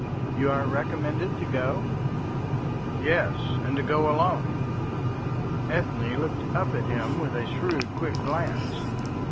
"You are recommended to go?" "Yes, and to go alone." Ethne looked up at him with a shrewd, quick glance.